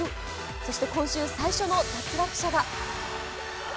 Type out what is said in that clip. そして今週最初の脱落者が。